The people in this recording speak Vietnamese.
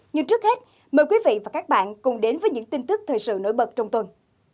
nhưng trước hết mời quý vị và các bạn cùng đến với những tin tức thời sự nổi bật trong tuần